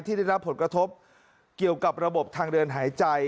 ได้รับผลกระทบเกี่ยวกับระบบทางเดินหายใจ